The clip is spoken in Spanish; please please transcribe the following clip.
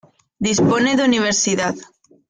Dispone de universidad.